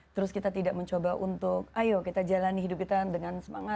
terus kita tidak mencoba untuk ayo kita jalani hidup kita dengan semangat